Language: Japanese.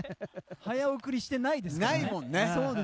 早送りしてないですから。